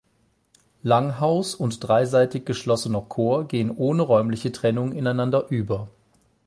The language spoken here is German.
Langhaus und dreiseitig geschlossener Chor gehen ohne räumliche Trennung ineinander über.